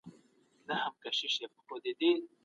بشري وضعې قوانین د ژوند حق څنګه ګوري؟